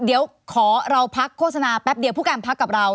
เดี๋ยวขอเราพักโฆษณาแป๊บเดียวผู้การพักกับเรา